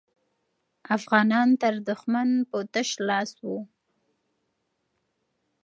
افغانان تر دښمن په تش لاس وو.